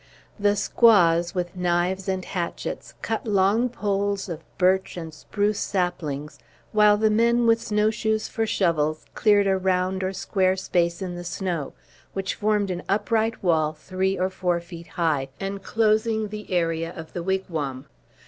The squaws, with knives and hatchets, cut long poles of birch and spruce saplings; while the men, with snow shoes for shovels, cleared a round or square space in the snow, which formed an upright wall three or four feet high, inclosing the area of the wigwam.